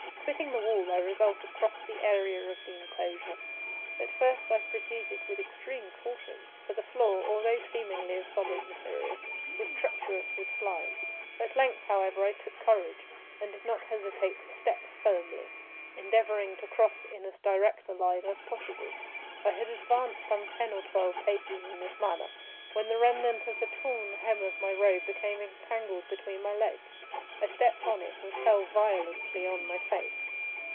Quitting the wall, I resolved to cross the area of the enclosure. At first I proceeded with extreme caution, for the floor, although seemingly of solid material, was treacherous with slime. At length, however, I took courage, and did not hesitate to step firmly; endeavoring to cross in as direct a line as possible. I had advanced some ten or twelve paces in this manner, when the remnant of the torn hem of my robe became entangled between my legs. I stepped on it, and fell violently on my face.